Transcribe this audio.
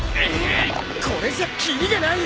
これじゃきりがない。